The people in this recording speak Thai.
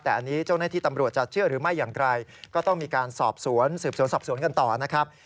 แต่อันนี้เจ้าหน้าที่ตำรวจจะเชื่อหรือไม่อย่างไรก็ต้องมีการสอบสวนสืบสวนสอบสวนกันต่อนะครับ